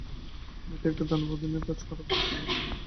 এটা এক দানবের অধীনে কাজ করা ভাড়াটে গুণ্ডার মতো।